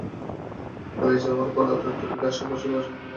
পালিয়ে যাওয়া অপর পলাতক ডেভিড আশপাশেই আছে বলে ধারণা করা হচ্ছে।